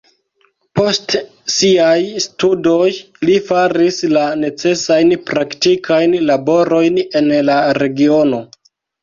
Post siaj studoj li faris la necesajn praktikajn laborojn en la regiono.